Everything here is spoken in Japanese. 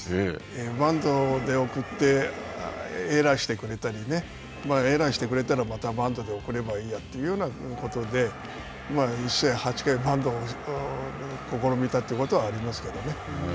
バントで送って、エラーしてくれたりね、エラーしてくれたら、またバントで送ればいいやというふうなことで、１試合８回バントを試みたということはありますね。